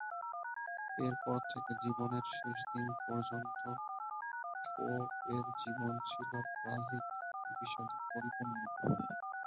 এরপর থেকে জীবনের শেষদিন পর্যন্ত পো-এর জীবন ছিল ট্র্যাজিক বিষাদে পরিপূর্ণ।